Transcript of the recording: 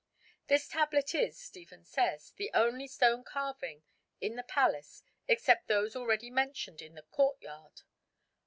This tablet is, Stephens says, the only stone carving in the palace except those already mentioned in the courtyard.